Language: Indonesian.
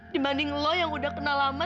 dibanding lo yang udah kenal lama